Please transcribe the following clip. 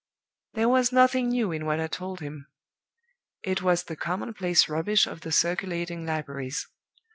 "There was nothing new in what I told him; it was the commonplace rubbish of the circulating libraries.